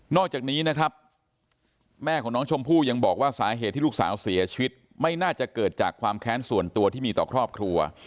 จากนี้นะครับแม่ของน้องชมพู่ยังบอกว่าสาเหตุที่ลูกสาวเสียชีวิตไม่น่าจะเกิดจากความแค้นส่วนตัวที่มีต่อครอบครัว